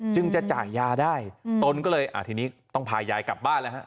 จึงจะจ่ายยาได้ตนก็เลยทีนี้ต้องพายายกลับบ้านแล้วฮะ